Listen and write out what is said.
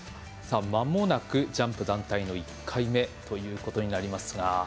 まもなく、ジャンプ団体の１回目ということになりますが。